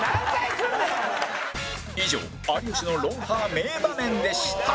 以上有吉の『ロンハー』名場面でした